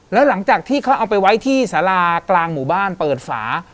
แล้วหลังจากที่เขาเอาไปไว้ที่สารากลางหมู่บ้านเปิดฝา